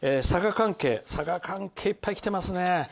佐賀関係いっぱい来てますね。